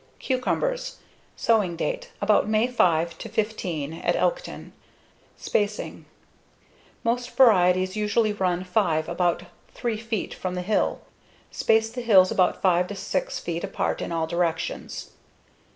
Cucumbers Sowing date: About May 5 to 15 at Elkton. Spacing: Most varieties usually run five about 3 feet from the hill. Space the hills about 5 to 6 feet apart in all directions.